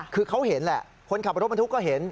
คือเขาเห็นแหละคนขับรถบรรทุกก็เห็น